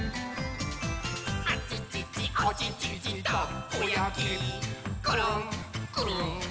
あちちちあちちちたこやきころんくるんたこやき！